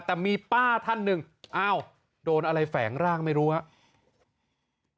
แต่มีป้าท่านหนึ่งอ้าวโดนอะไรแฝงร่างไม่รู้ครับ